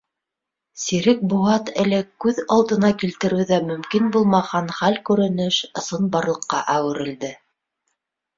Сирек быуат элек күҙ алдына килтереү ҙә мөмкин булмаған хәл-күренеш ысынбарлыҡҡа әүерелде.